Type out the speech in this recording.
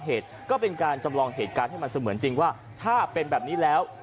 เหตุก็เป็นการจำลองเหตุการณ์ให้มันเสมือนจริงว่าถ้าเป็นแบบนี้แล้ว